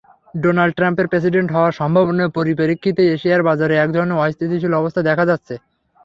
Donald ট্রাম্পের president হওয়ার সম্ভাবনার পরিপ্রেক্ষিতে এশিয়ার বাজারে একধরনের অস্থিতিশীল অবস্থা দেখা যাচ্ছে।